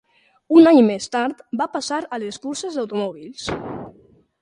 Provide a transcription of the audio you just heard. Un any més tard va passar a les curses d'automòbils.